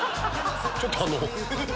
ちょっとあの。